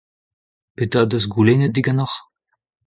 Petra he deus goulennet diganeoc'h ?